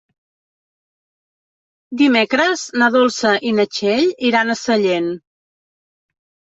Dimecres na Dolça i na Txell iran a Sallent.